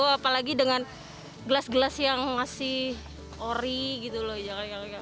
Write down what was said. apalagi dengan gelas gelas yang masih ori gitu loh